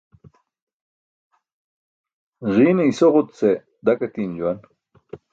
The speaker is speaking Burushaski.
Ġiine isoġut ce dak atiim juwan.